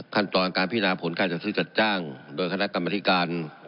ขั้นตอนการพินาผลการจัดซื้อจัดจ้างโดยคณะกรรมธิการ